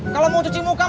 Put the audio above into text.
kalau mau cuci muka